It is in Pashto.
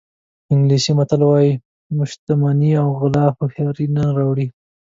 انګلیسي متل وایي شتمني او غلا هوښیاري نه راوړي.